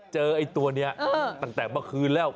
ไอ้ตัวนี้ตั้งแต่เมื่อคืนแล้ว